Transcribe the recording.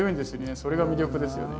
それが魅力ですよね。